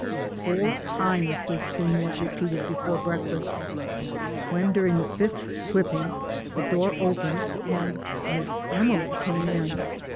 Four times this scene was repeated before break fast, when, during the fifth whipping, the door opened, and "Miss Emily" came in.